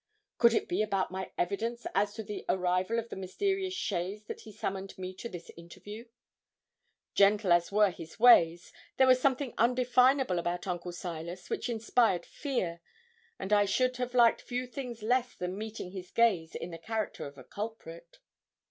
Could it be about my evidence as to the arrival of the mysterious chaise that he summoned me to this interview? Gentle as were his ways, there was something undefinable about Uncle Silas which inspired fear; and I should have liked few things less than meeting his gaze in the character of a culprit.